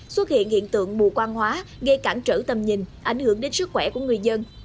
xuất hiện hiện tượng mù quan hóa gây cản trở tầm nhìn ảnh hưởng đến sức khỏe của người dân